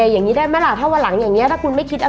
อย่างนี้ได้ไหมล่ะถ้าวันหลังอย่างนี้ถ้าคุณไม่คิดอะไร